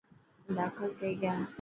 داخل ٿي گيا.